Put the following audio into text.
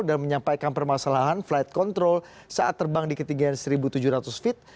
dan menyampaikan permasalahan flight control saat terbang di ketinggian satu tujuh ratus feet